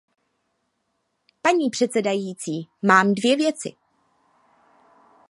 Paní předsedající, mám dvě věci.